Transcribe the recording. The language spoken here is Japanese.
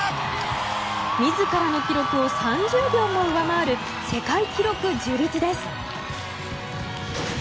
自らの記録を３０秒も上回る世界記録樹立です。